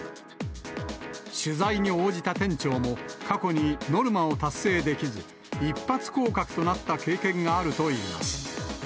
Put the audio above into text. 取材に応じた店長も、過去にノルマを達成できず、一発降格となった経験があるといいます。